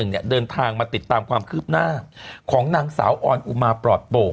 เนี่ยเดินทางมาติดตามความคืบหน้าของนางสาวออนอุมาปลอดโป่ง